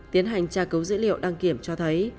tiến hành trà cấu dữ liệu đăng kiểm cho thấy